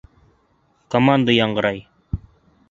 Команда яңғырай: